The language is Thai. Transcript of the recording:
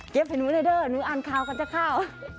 เกฟเฮนูเนเดอร์หนูอันคาวกันจะเข้า